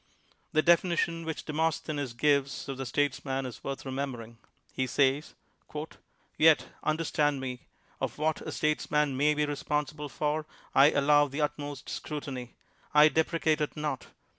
The definition which Demosthenes gives of the statesman is worth remembering. He says : "Yet uuderstaud miC. Of what a statesman may be responsi'ole for I allow the utmost scrutiny; I deprecate it not.